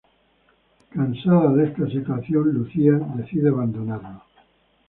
Cansada de esta situación, Lucía, decide abandonarlo.